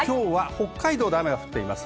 北海道で雨が降っています。